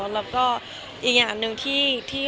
แล้วก็อีกอย่างหนึ่งที่